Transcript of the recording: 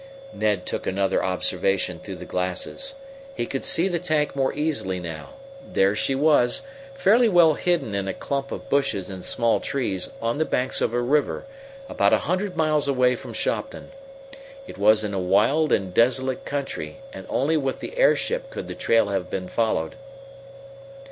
Ned took another observation through the glasses. He could see the tank more easily now. There she was, fairly well hidden in a clump of bushes and small trees on the banks of a river, about a hundred miles away from Shopton. It was in a wild and desolate country, and only with the airship could the trail have thus been followed.